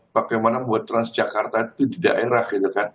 bagaimana membuat transjakarta itu di daerah